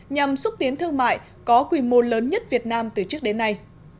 nhằm xúc tiến thương mại có quy mô lớn nhất việt nam từ trước đến nay